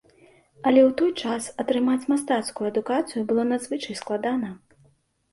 Але ў той час атрымаць мастацкую адукацыю было надзвычай складана.